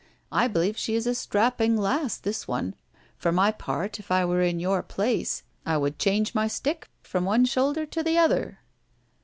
I believe she is a strapping lass, this one for my part, if I were in your place, I would change my stick from one shoulder to the other."